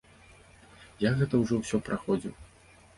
Я гэта ўжо ўсё праходзіў!